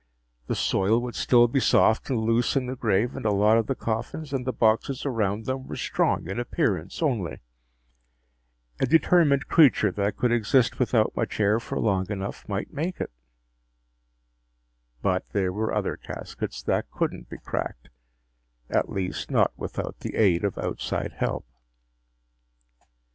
The soil would still be soft and loose in the grave and a lot of the coffins and the boxes around them were strong in appearance only. A determined creature that could exist without much air for long enough might make it. But there were other caskets that couldn't be cracked, at least without the aid of outside help.